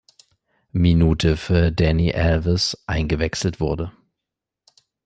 Minute für Dani Alves eingewechselt wurde.